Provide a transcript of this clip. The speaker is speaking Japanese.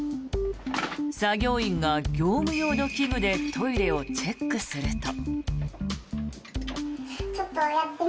作業員が業務用の器具でトイレをチェックすると。